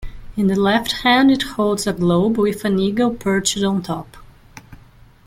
In the left hand it holds a globe with an eagle perched on top.